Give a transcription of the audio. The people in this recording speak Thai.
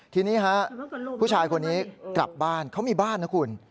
ทีนี้ฮะผู้ชายคนนี้กลับบ้านเขามีบ้านนะคุณ